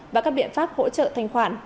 và các biện pháp hỗ trợ thanh khoản